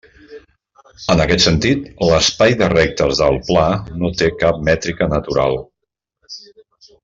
En aquest sentit, l'espai de rectes del pla no té cap mètrica natural.